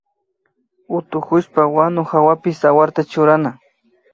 Utukushpa wanu hawapi tsawarta churana